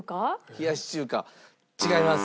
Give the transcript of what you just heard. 冷やし中華違います。